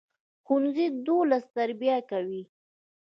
ښوونځی د ولس تربیه کوي